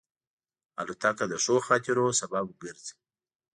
الوتکه د ښو خاطرو سبب ګرځي.